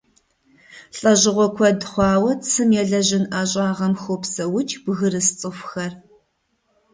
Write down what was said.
ЛӀэщӀыгъуэ куэд хъуауэ цым елэжьын ӀэщӀагъэм хопсэукӀ бгырыс цӀыхухэр.